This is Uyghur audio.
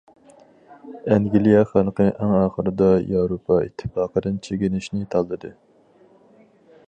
ئەنگلىيە خەلقى ئەڭ ئاخىرىدا ياۋروپا ئىتتىپاقىدىن چېكىنىشنى تاللىدى.